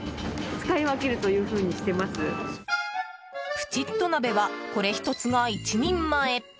プチッと鍋はこれ１つが１人前。